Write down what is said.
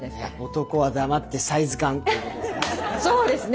男は黙ってサイズ感ということですか。